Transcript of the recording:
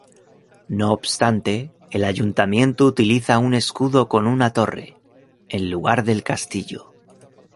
No obstante, el ayuntamiento utiliza un escudo con una torre, en lugar del castillo.